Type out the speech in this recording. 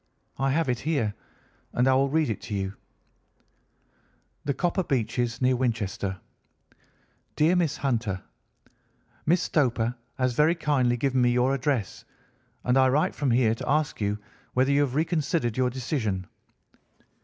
I have it here and I will read it to you: "'The Copper Beeches, near Winchester. "'DEAR MISS HUNTER,—Miss Stoper has very kindly given me your address, and I write from here to ask you whether you have reconsidered your decision.